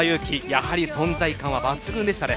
やはり存在感は抜群でしたね。